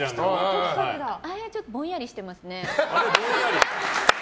あれはちょっとぼんやりしてますね。